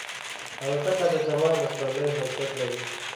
الوتکه د زمان د سپرلۍ حیثیت لري.